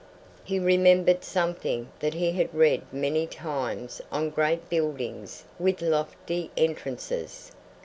He remembered something that he had read many times on great buildings with lofty entrances.